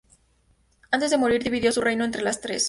Antes de morir, dividió su reino entre las tres.